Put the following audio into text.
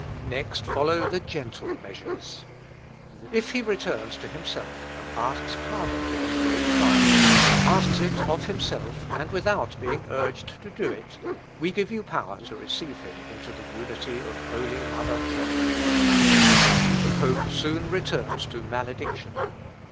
Next follow the gentle measures: "If he returns to himself, and asks pardon for his great crime, asks it of himself, and without being urged to do it, we give you power to receive him into the unity of Holy Mother Church." The pope soon returns to malediction.